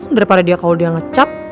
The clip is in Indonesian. daripada dia kalau dia ngecap